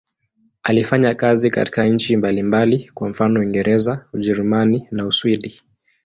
Alifanya kazi katika nchi mbalimbali, kwa mfano Uingereza, Ujerumani na Uswidi.